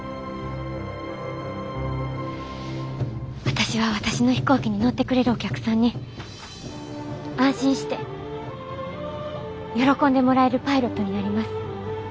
私は私の飛行機に乗ってくれるお客さんに安心して喜んでもらえるパイロットになります。